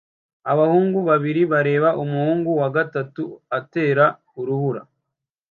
Abahungu babiri bareba umuhungu wa gatatu atera urubura